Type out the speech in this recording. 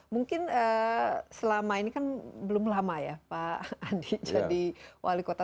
mungkin selama ini kan belum lama ya pak andi jadi wali kota